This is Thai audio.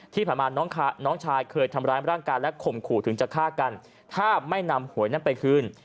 ที่ผ่านมาน้องชายเคยทำร้ายร่างกายและข่มขู่ถึงจะฆ่ากันถ้าไม่นำหวยนั้นไปคืน